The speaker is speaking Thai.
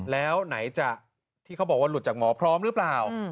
แล้วไหนจะที่เขาบอกว่าหลุดจากหมอพร้อมหรือเปล่า